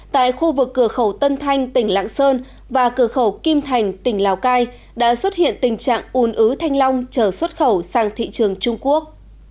tại khu vực cửa khẩu tân thanh tỉnh lạng sơn và cửa khẩu kim thành tỉnh lào cai đã xuất hiện tình trạng ùn ứ thanh long chờ xuất khẩu sang thị trường trung quốc